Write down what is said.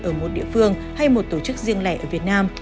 ở một địa phương hay một tổ chức riêng lẻ ở việt nam